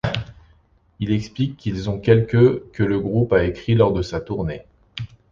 Il explique qu’ils ont quelques que le groupe a écrit lors de sa tournée.